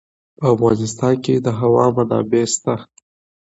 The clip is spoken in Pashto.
په افغانستان کې د هوا منابع شته.